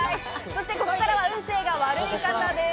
そしてここからは運勢が悪い方です。